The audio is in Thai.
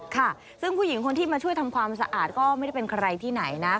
ค่ะซึ่งผู้หญิงคนที่มาช่วยทำความสะอาดก็ไม่ได้เป็นใครที่ไหนนะ